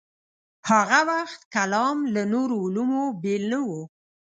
هاغه وخت کلام له نورو علومو بېل نه و.